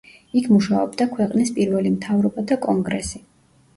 იქ მუშაობდა ქვეყნის პირველი მთავრობა და კონგრესი.